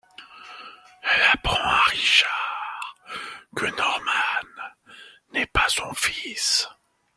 Elle apprend à Richard que Norman n'est pas son fils.